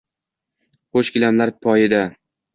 Qo’sh gilamlar poyida.